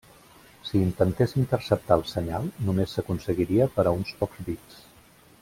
Si intentés interceptar el senyal, només s'aconseguiria per a uns pocs bits.